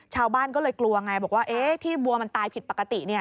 ชาวบ้านก็เลยกลัวไงบอกว่าที่วัวมันตายผิดปกติ